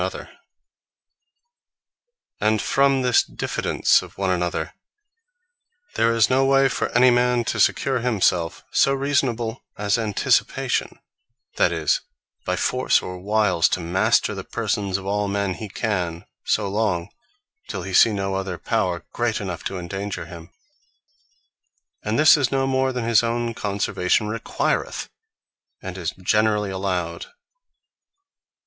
From Diffidence Warre And from this diffidence of one another, there is no way for any man to secure himselfe, so reasonable, as Anticipation; that is, by force, or wiles, to master the persons of all men he can, so long, till he see no other power great enough to endanger him: And this is no more than his own conservation requireth, and is generally allowed.